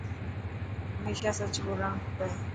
هميشه سچ ٻولڻ کپي.